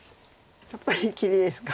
やっぱり切りですか。